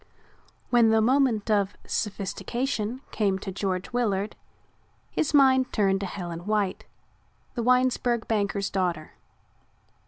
When the moment of sophistication came to George Willard his mind turned to Helen White, the Winesburg banker's daughter.